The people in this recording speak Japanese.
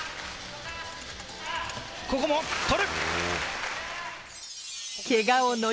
ここも取る！